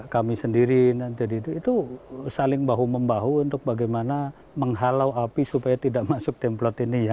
kami sendiri nanti itu saling bahu membahu untuk bagaimana menghalau api supaya tidak masuk templot ini ya